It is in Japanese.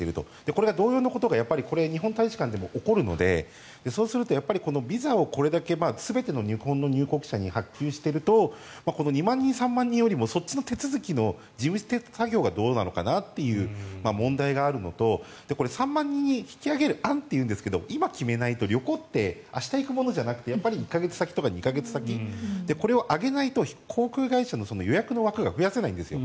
これが同様のことが日本大使館でも起こるのでビザをこれだけ全ての日本の入国者に発給していると２万人、３万人のそっちの手続きの事務作業がどうなのかなという問題があるのと３万人に引き上げる案とあるのですが旅行って今行くものではなくて１か月先とか２か月先これを上げないと航空会社の予約の枠が増やせないんですよ。